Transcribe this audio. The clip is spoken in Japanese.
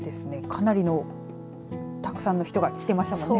かなりのたくさんの人が来てましたもんね。